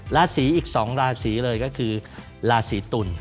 ราศีอีก๒ราศีเลยก็คือราศีตุล